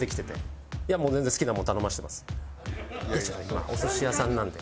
今お寿司屋さんなんで。